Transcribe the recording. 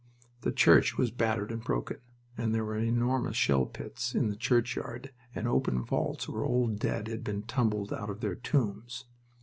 The church was battered and broken, and there were enormous shell pits in the churchyard and open vaults where old dead had been tumbled out of their tombs.